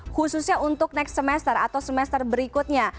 khususnya untuk next semester atau semester berikutnya